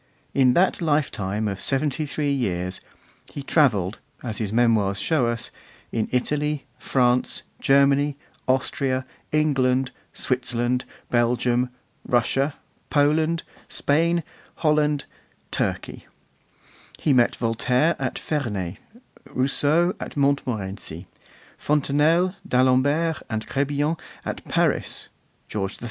In that lifetime of seventy three years he travelled, as his Memoirs show us, in Italy, France, Germany, Austria, England, Switzerland, Belgium, Russia, Poland, Spain, Holland, Turkey; he met Voltaire at Ferney, Rousseau at Montmorency, Fontenelle, d'Alembert and Crebillon at Paris, George III.